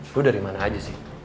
lu darimana aja sih